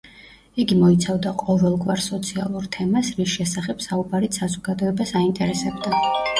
იგი მოიცავდა ყოველგვარ სოციალურ თემას, რის შესახებ საუბარიც საზოგადოებას აინტერესებდა.